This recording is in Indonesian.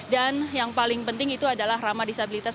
dan yang paling penting itu adalah ramah disabilitas